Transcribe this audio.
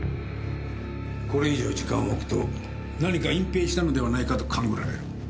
これ以上時間をおくと何か隠ぺいしたのではないかと勘ぐられる。